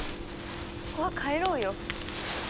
そこは帰ろうよ。